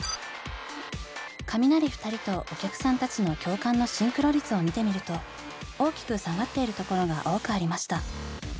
カミナリ２人とお客さんたちの共感のシンクロ率を見てみると大きく下がっているところが多くありました。